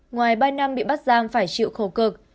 ngoài ba năm bị bắt giam phải chịu khổ cực